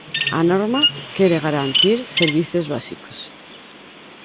A norma quere garantir servizos básicos.